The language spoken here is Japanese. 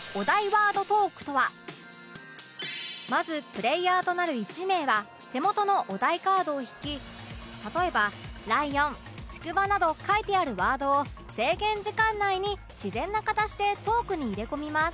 まずプレイヤーとなる１名は手元のお題カードを引き例えば「ライオン」「ちくわ」など書いてあるワードを制限時間内に自然な形でトークに入れ込みます